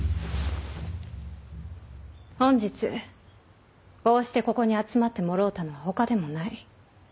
本日こうしてここに集まってもろうたのはほかでもない。